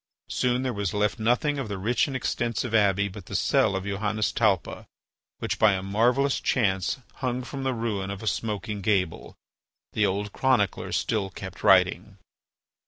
Soon there was left nothing of the rich and extensive abbey but the cell of Johannes Talpa, which, by a marvellous chance, hung from the ruin of a smoking gable. The old chronicler still kept writing.